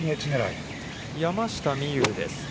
山下美夢有です。